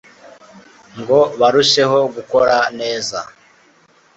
ngo barusheho gukora neza